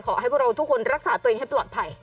ขอให้พวกเราทุกคนรักษาตัวเองให้ปลอดภัย